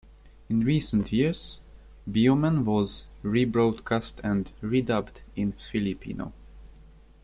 In recent years, "Bioman" was re-broadcast and re-dubbed in Filipino.